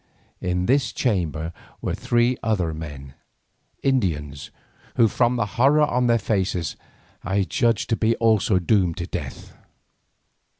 In this chamber were three other men, Indians, who from the horror on their faces I judged to be also doomed to death.